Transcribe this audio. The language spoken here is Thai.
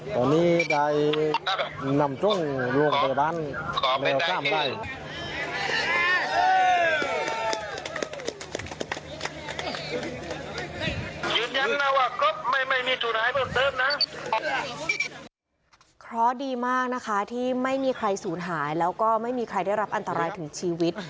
เพราะดีมากนะคะที่ไม่มีใครสูญหายแล้วก็ไม่มีใครได้รับอันตรายถึงชีวิต